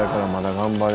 頑張れ！